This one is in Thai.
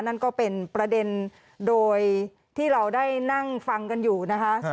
นั่นก็เป็นประเด็นโดยที่เราได้นั่งฟังกันอยู่นะคะ